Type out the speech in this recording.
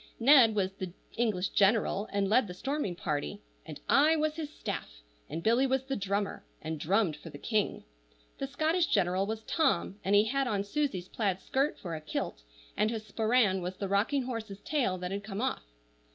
Ned was the English general, and led the storming party, and I was his staff, and Billy was the drummer, and drummed for the king. The Scottish general was Tom, and he had on Susie's plaid skirt for a kilt, and his sporran was the rocking horse's tail that had come off.